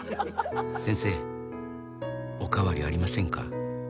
「先生お変わりありませんか」